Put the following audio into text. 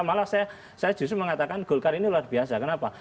malah saya justru mengatakan golkar ini luar biasa kenapa